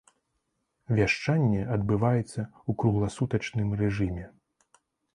Вяшчанне адбываецца ў кругласутачным рэжыме.